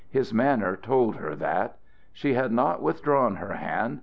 His manner told her that. She had not withdrawn her hand.